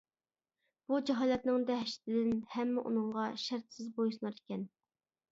بۇ جاھالەتنىڭ دەھشىتىدىن ھەممە ئۇنىڭغا شەرتىسىز بويسۇنار ئىكەن.